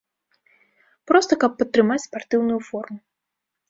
Проста, каб падтрымаць спартыўную форму.